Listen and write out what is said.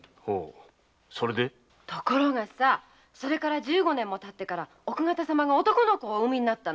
ところがそれから十五年後に奥方様が男の子をお産みになったの。